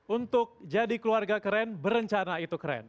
untuk jadi keluarga keren berencana itu keren